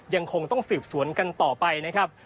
ยังคงต้องสืบสวนกันต่อไปนะครับ